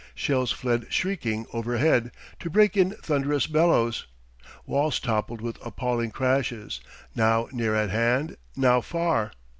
Shells fled shrieking overhead, to break in thunderous bellows. Walls toppled with appalling crashes, now near at hand, now far.